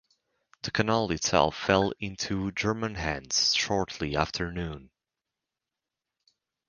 The Canal itself fell into German hands shortly after noon.